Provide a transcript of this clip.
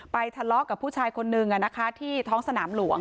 ทะเลาะกับผู้ชายคนนึงที่ท้องสนามหลวง